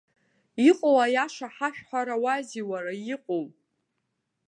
Иҟоу аиаша ҳашәҳәарауазеи уара иҟоу!